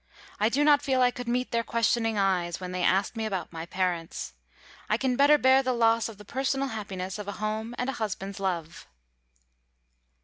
I do not feel I could meet their questioning eyes when they asked me about my parents. I can better bear the loss of the personal happiness of a home and a husband's love."